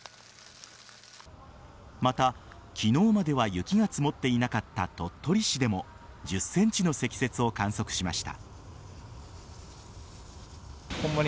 また、昨日までは雪が積もっていなかった鳥取市でも１０ｃｍの積雪を観測しました。